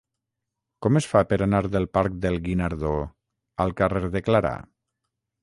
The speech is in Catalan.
Com es fa per anar del parc del Guinardó al carrer de Clarà?